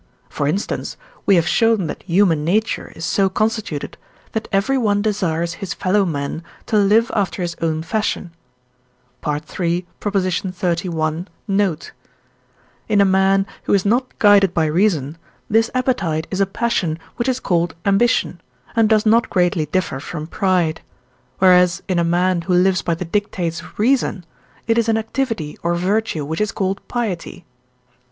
For instance, we have shown that human nature is so constituted, that everyone desires his fellow men to live after his own fashion (III. xxxi. note); in a man, who is not guided by reason, this appetite is a passion which is called ambition, and does not greatly differ from pride; whereas in a man, who lives by the dictates of reason, it is an activity or virtue which is called piety (IV.